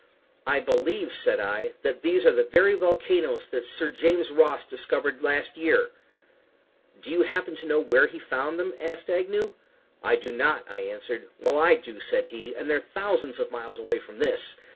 "I believe," said I, "that these are the very volcanoes that Sir James Ross discovered last year." "Do you happen to know where he found them?" Agnew asked. "I do not," I answered. "Well, I do," said he, "and they're thousands of miles away from this.